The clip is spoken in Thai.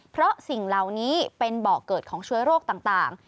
เพราะสิ่งเหล่านี้เป็นเบาะเกิดของเชื้อโรคต่าง